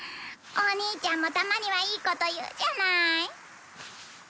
お兄ちゃんもたまにはいいこと言うじゃない。